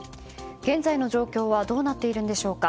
現在の状況はどうなっているんでしょうか。